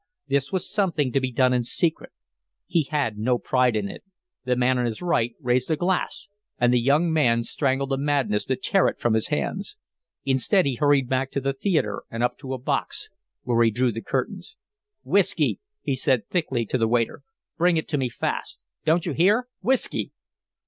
This was something to be done in secret. He had no pride in it. The man on his right raised a glass, and the young man strangled a madness to tear it from his hands. Instead, he hurried back to the theatre and up to a box, where he drew the curtains. "Whiskey!" he said, thickly, to the waiter. "Bring it to me fast. Don't you hear? Whiskey!"